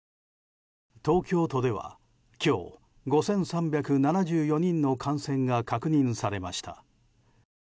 東京都では今日５３７４人の感染が確認されました。